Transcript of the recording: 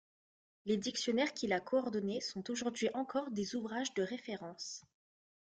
Les dictionnaires qu'il a coordonnés sont aujourd'hui encore des ouvrages de référence.